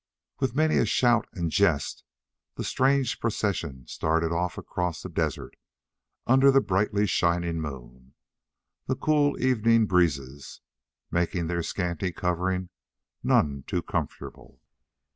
With many a shout and jest the strange procession started off across the desert, under the brightly shining moon, the cool evening breezes making their scanty covering none too comfortable.